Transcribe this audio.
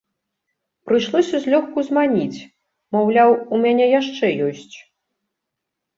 Прыйшлося злёгку зманіць, маўляў, у мяне яшчэ ёсць.